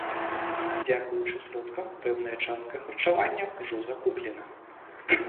Дзякуючы сродкам, пэўная частка харчавання ўжо закуплена.